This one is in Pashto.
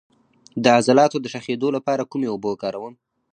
د عضلاتو د شخیدو لپاره کومې اوبه وکاروم؟